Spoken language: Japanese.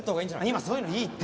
今そういうのいいって。